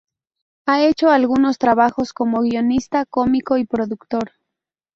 Ha hecho algunos trabajos como guionista cómico y productor.